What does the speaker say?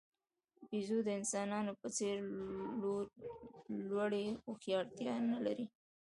بیزو د انسانانو په څېر لوړې هوښیارتیا نه لري.